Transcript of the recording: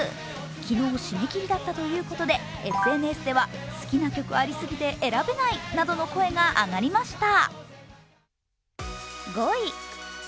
昨日、締め切りだったということでＳＮＳでは好きな曲ありすぎて選べないなどの声が上がりました。